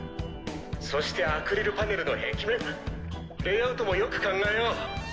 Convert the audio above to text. そしてアクリルパネルの壁面レイアウトもよく考えよう。